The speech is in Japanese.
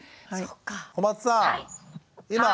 小松さん。